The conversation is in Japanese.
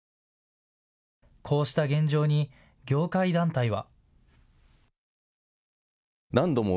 こうした現状に業界団体は。